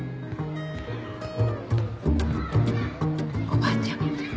おばあちゃん。